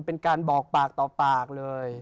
เป็นการบอกปากต่อปากเลย